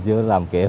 chưa có dọn kịp